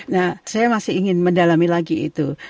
nah saya masih ingin mendalami lagi itu